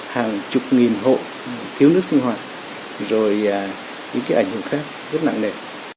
hàng chục nghìn hộ thiếu nước sinh hoạt rồi những cái ảnh hưởng khác rất nặng nề